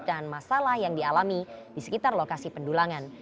dan masalah yang dialami di sekitar lokasi pendulangan